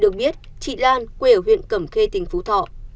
được biết chị lan quê ở huyện cẩm khê tỉnh phú thọ